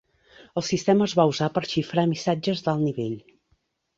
El sistema es va usar per xifrar missatges d'alt nivell.